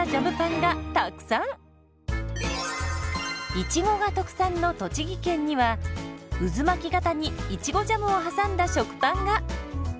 いちごが特産の栃木県には渦巻き型にいちごジャムを挟んだ食パンが！